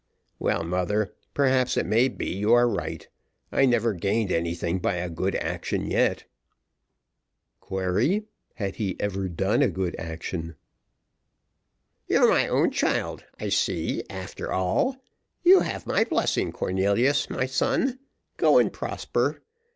"Well, mother, perhaps it may be you are right I never gained anything by a good action yet." Query. Had he ever done a good action? "You're my own child, I see, after all; you have my blessing, Cornelius, my son go and prosper.